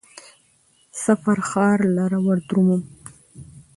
څه فرخار لره وردرومم